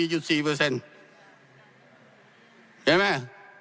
เห็นมั้ย